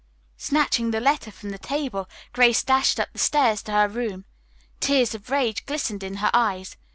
Snatching the letter from the table Grace dashed up the stairs to her room. Tears of rage glistened in her eyes.